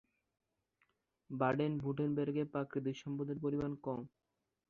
বাডেন-ভুর্টেনবের্গে প্রাকৃতিক সম্পদের পরিমাণ কম।